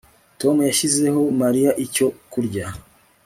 Tom yashyizeho Mariya icyo kurya